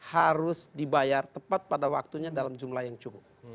harus dibayar tepat pada waktunya dalam jumlah yang cukup